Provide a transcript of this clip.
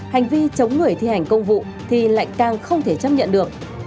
hành vi chống người thi hành công vụ thì lại càng không thể chấp nhận được